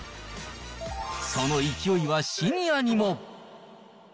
その勢いはシニアにも。